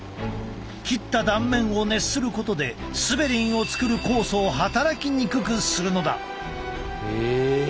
切った断面を熱することでスベリンを作る酵素を働きにくくするのだ。